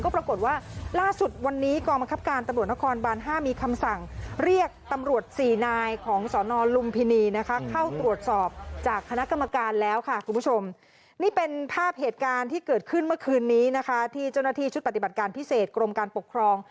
ก็ปรากฏว่าล่าสุดวันนี้กองมักคับการธรรมดุ์หลักรณ์